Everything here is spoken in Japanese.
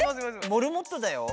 モルモットだよ。